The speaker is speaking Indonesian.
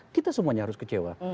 kita semuanya harus kecewa